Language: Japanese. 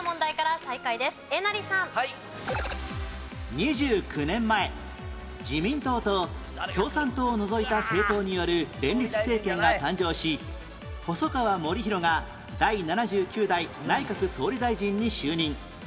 ２９年前自民党と共産党を除いた政党による連立政権が誕生し細川護熙が第７９代内閣総理大臣に就任